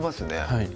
はい